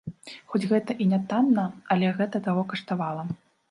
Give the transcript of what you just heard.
Хоць гэта і нятанна, але гэта таго каштавала.